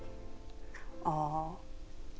ああ。